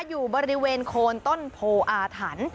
อยู่บริเวณโคนต้นโพอาถัน